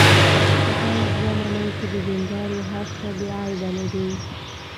باید ومني چې د دیندارو هر څه بې عیبه نه دي.